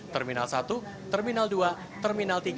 terminal satu terminal dua terminal tiga